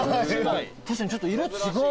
・確かにちょっと色違う。